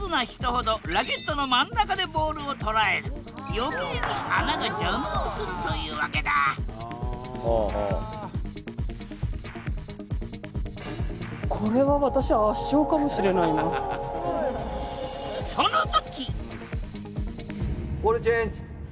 余計に穴が邪魔をするというわけだその時！